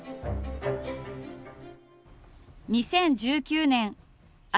２０１９年朝